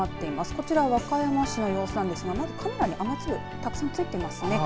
こちら岡山市の様子ですがカメラに雨粒たくさん付いていますね。